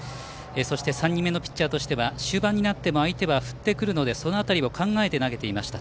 そして３人目のピッチャーとしては終盤になっても相手は振ってくるのでその辺りを考えて投げていました。